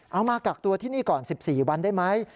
มากักตัวที่นี่ก่อน๑๔วันได้ไหม